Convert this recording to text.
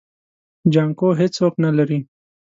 جانکو هيڅوک نه لري.